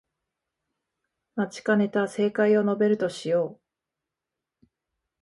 待ちかねた正解を述べるとしよう